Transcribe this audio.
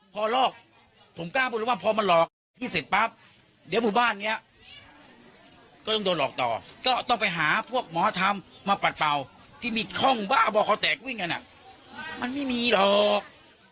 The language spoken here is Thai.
กล้าพูดว่าพอมันหลอกที่เสร็จปั๊บเดี๋ยวบุตรบ้านเนี่ยก็ต้องโดนหลอกต่อก็ต้องไปหาพวกมหาธรรมมาปัดเป่าที่มิดคล่องบ้าบอกเขาแตกวิ่งกันอ่ะมันไม่มีหรอก